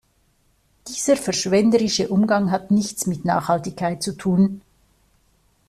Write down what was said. Dieser verschwenderische Umgang hat nichts mit Nachhaltigkeit zu tun.